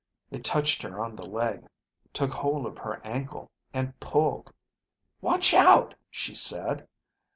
It touched her on the leg, took hold of her ankle, and pulled. "Watch out," she said.